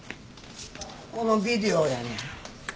このビデオやねん。